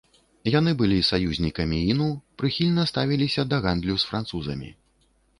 Яны былі саюзнікамі іну, прыхільна ставіліся да гандлю з французамі.